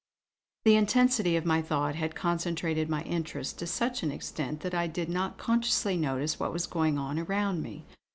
The intensity of my thought had concentrated my interests to such an extent that I did not consciously notice what was going on around me.